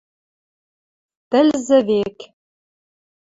Тӹлзӹ век.